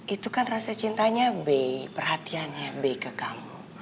itu kan rasa cintanya be perhatiannya be ke kamu